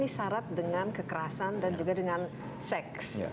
ya ini sangat berkaitan dengan kekerasan dan juga dengan seks